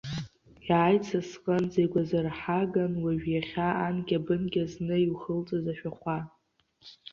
Иааит са сҟынӡа игәазырҳаган уажә иахьа, анкьа-бынкьа зны иухылҵыз ашәахәа.